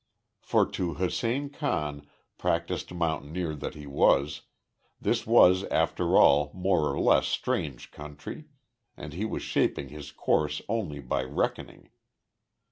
For to Hussein Khan, practised mountaineer that he was, this was after all more or less strange country, and he was shaping his course only by reckoning.